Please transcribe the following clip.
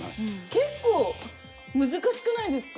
結構難しくないですか？